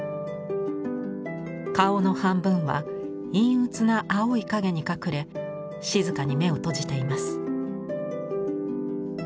顔の半分は陰鬱な青い影に隠れ静かに目を閉じています。